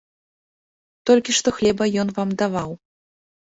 Толькі што хлеба ён вам даваў.